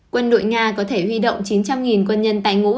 quân đội nga có thể huy động chín trăm linh quân nhân tại ngũ